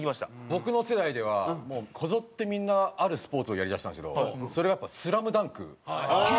僕の世代ではもうこぞってみんなあるスポーツをやりだしたんですけどそれはやっぱ『ＳＬＡＭＤＵＮＫ』。